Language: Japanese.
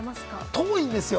遠いんですよ。